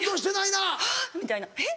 あぁみたいなえっ？